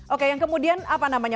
oke yang kemudian apa namanya